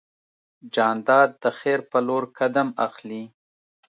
جانداد د خیر په لور قدم اخلي.